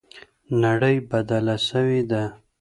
نړۍ بدله سوې ده.